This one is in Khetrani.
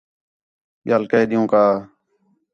ٻِیال کے ݙِین٘ہوں کا